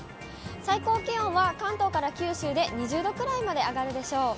最高気温は関東から九州で２０度くらいまで上がるでしょう。